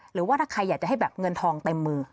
หรือว่าถ้าใครอยากจะให้แบบเงินทองเต็มมือ